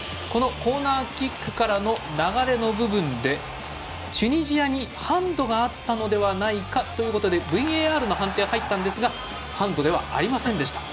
コーナーキックからの流れの部分でチュニジアにハンドがあったのではないかということでＶＡＲの判定が入ったんですがハンドではありませんでした。